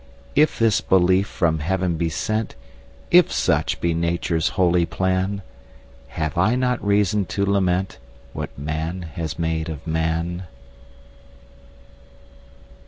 If this belief from heaven be sent, If such be Nature's holy plan, Have I not reason to lament What man has made of man?